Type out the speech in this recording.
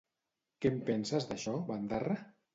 Què en penses d'això, bandarra?